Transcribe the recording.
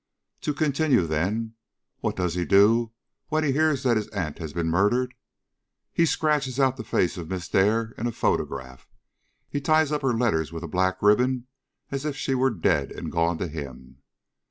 To continue, then. What does he do when he hears that his aunt has been murdered? He scratches out the face of Miss Dare in a photograph; he ties up her letters with a black ribbon as if she were dead and gone to him.